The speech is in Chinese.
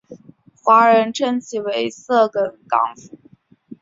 华人称其为色梗港府。